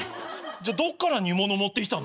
じゃどっから煮物持ってきたの？